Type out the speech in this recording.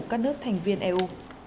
các nước thành viên eu